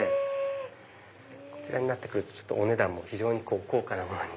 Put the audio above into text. こちらになって来るとお値段も非常に高価なものに。